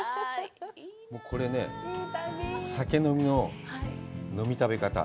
これね、酒飲みの飲み食べ方。